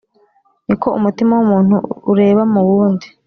ni ko umutima w’umuntu ureba mu wundi